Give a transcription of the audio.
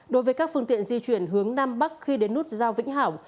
đối với các phương tiện di chuyển hướng nam bắc khi đến nút giao vĩnh hảo